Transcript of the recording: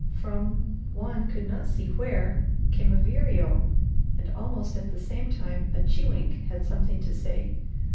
From one could not see where, came a vireo, and almost at the same time a chewink had something to say.